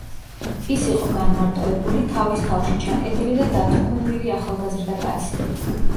ის იყო განმარტოებული, თავის თავში ჩაკეტილი და დათრგუნვილი ახალგაზრდა კაცი.